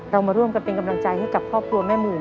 เรามาร่วมกันเป็นกำลังใจให้กับครอบครัวแม่หมื่น